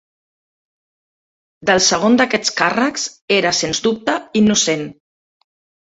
Del segon d'aquests càrrecs, era sens dubte innocent.